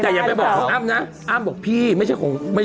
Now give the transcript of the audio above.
แต่อย่าไปบอกของอ้ำนะอ้ำบอกพี่ไม่ใช่ของไม่ใช่